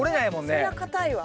そりゃ硬いわ。